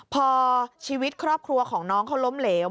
พอชีวิตครอบครัวของน้องเขาล้มเหลว